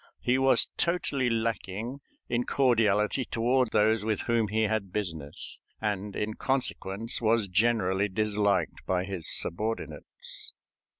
He was totally lacking in cordiality toward those with whom he had business, and in consequence was generally disliked by his subordinates.